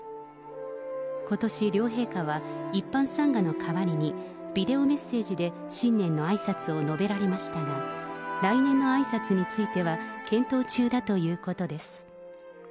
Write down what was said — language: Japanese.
ことし、両陛下は一般参賀の代わりに、ビデオメッセージで新年のあいさつを述べられましたが、来年のあいさつについては、検討中だということです。